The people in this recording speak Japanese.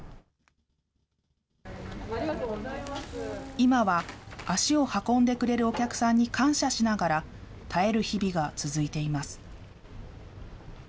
今は、足を運んでくれるお客さんに感謝しながら、耐える日々が続いています。